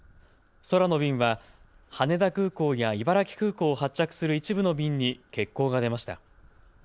空の便は羽田空港や茨城空港を発着する一部の便に欠航が出ました。